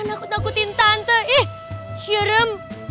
tante aku takutin tante ih serem